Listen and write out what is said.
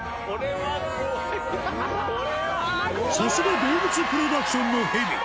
さすが動物プロダクションのヘビ。